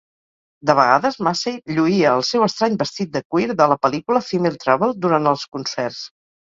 De vegades, Massey lluïa el seu estrany vestit de cuir de la pel·lícula "Female Trouble" durant els concerts.